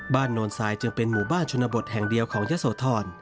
โนนทรายจึงเป็นหมู่บ้านชนบทแห่งเดียวของยะโสธร